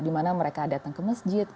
dimana mereka datang ke masjid